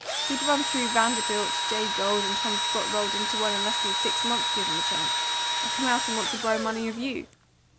He'd run through Vanderbilt, Jay Gould, and Tom Scott rolled into one in less than six months, give him a chance, and come out and want to borrow money of you.